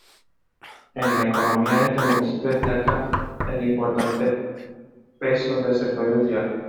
En la economía de este municipio destaca el importante peso del sector industrial.